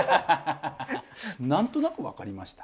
なんとなくわかりました？